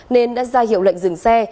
nên đã ra hiệu lệnh dừng xe